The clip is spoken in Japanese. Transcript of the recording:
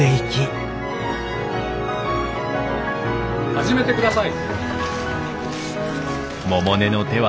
始めてください。